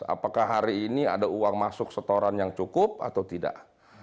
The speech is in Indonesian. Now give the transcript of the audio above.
apakah hari ini ada uang masuk setoran yang cukup atau tidak